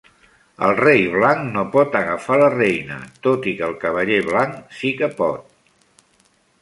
El rei blanc no pot agafar la reina, tot i que el cavaller blanc sí que pot.